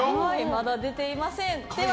まだ出ていません。